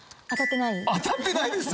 当たってないです！